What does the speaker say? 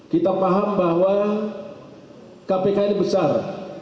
kita paham bahwa kpk ini besar